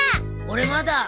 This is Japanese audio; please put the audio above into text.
俺まだ。